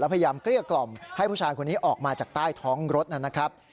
พยายามเกลี้ยกล่อมให้ผู้ชายคนนี้ออกมาจากใต้ท้องรถนะครับ